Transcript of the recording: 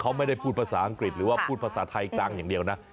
เขาไม่ได้พูดภาษาอังกฤษหรือว่าพูดภาษาไทยกลางอย่างเดียวนะ